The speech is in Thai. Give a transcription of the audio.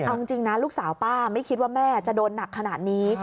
เอาจริงนะลูกสาวป้าไม่คิดว่าแม่จะโดนหนักขนาดนี้